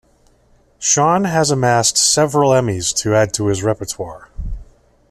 Sean has amassed several Emmy's to add to his repertoire.